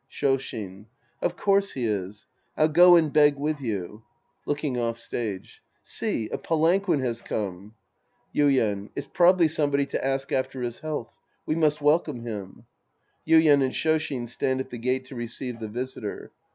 Shoshin. Of course he is. I'll go and beg with you. {Looking off stage.) See, a palanquin has come. Yuien. It's probably somebody to ask after his health. We must welcome him. (Yuien ak^ Shoshin stand at the gate to receive the visitor.